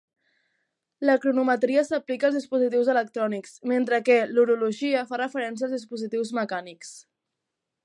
La cronometria s'aplica als dispositius electrònics, mentre que l'horologia fa referència als dispositius mecànics.